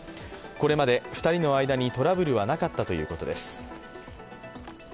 これまで２人の間にトラブルはなかったということです。